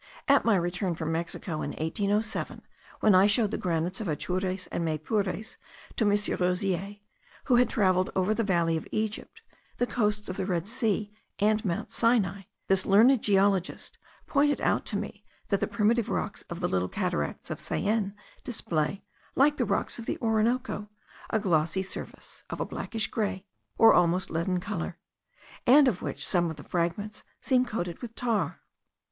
At my return from Mexico in 1807, when I showed the granites of Atures and Maypures to M. Roziere, who had travelled over the valley of Egypt, the coasts of the Red Sea, and Mount Sinai, this learned geologist pointed out to me that the primitive rocks of the little cataracts of Syene display, like the rocks of the Orinoco, a glossy surface, of a blackish grey, or almost leaden colour, and of which some of the fragments seem coated with tar.